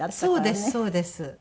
そうですそうです。